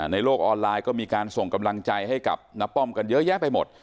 ในโลกออนไลน์ก็มีการส่งกำลังใจให้กับน้าป้อมกันเยอะแยะไปหมด